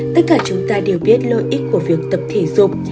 tất cả chúng ta đều biết lợi ích của việc tập thể dục